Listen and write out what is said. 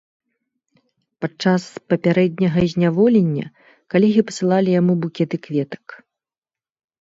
Падчас папярэдняга зняволення калегі пасылалі яму букеты кветак.